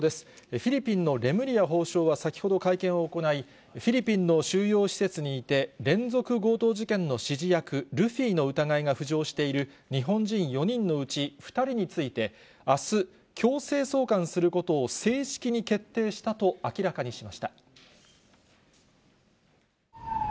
フィリピンのレムリヤ法相は、先ほど会見を行い、フィリピンの収容施設にいて、連続強盗事件の指示役、ルフィの疑いが浮上している日本人４人のうち２人について、あす、強制送還することを正式に決定したと明らかにしました。